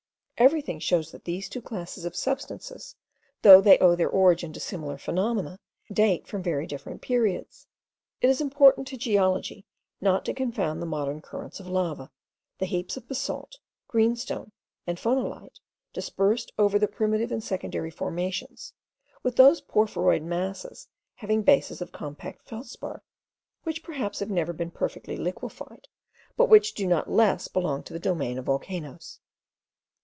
everything shows that these two classes of substances, though they owe their origin to similar phenomena, date from very different periods. It is important to geology not to confound the modern currents of lava, the heaps of basalt, green stone, and phonolite, dispersed over the primitive and secondary formations, with those porphyroid masses having bases of compact feldspar,* which perhaps have never been perfectly liquified, but which do not less belong to the domain of volcanoes.